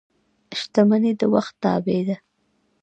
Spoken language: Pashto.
• شتمني د وخت تابع ده.